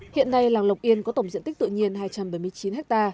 hiện nay làng lộc yên có tổng diện tích tự nhiên hai trăm bảy mươi chín ha